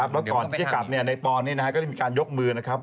แล้วก่อนที่กลับในปอนด์นี้นะครับก็ได้มีการยกมือนะครับ